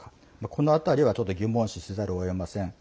この辺りは疑問視せざるをえません。